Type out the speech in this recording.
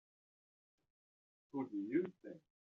Who do you think?